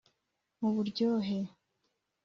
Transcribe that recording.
Muburyohe